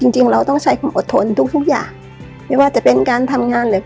จริงเราต้องใช้ความอดทนทุกอย่างไม่ว่าจะเป็นการทำงานเลย